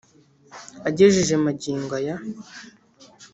agejeje magingo aya.